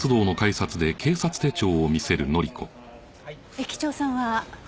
駅長さんは？